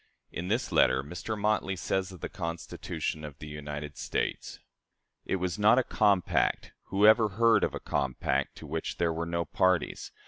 In this letter Mr. Motley says of the Constitution of the United States: "It was not a compact. Who ever heard of a compact to which there were no parties?